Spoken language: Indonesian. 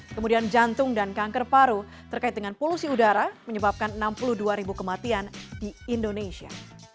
kemudian jantung dan kanker paru terkait dengan polusi udara menyebabkan enam puluh dua ribu kematian di indonesia